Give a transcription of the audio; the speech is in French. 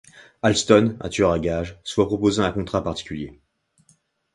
Halston, un tueur à gages, se voit proposer un contrat particulier.